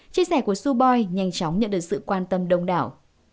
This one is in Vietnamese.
chia sẻ của suboi nhanh chóng nhận được sự quan tâm đông đảo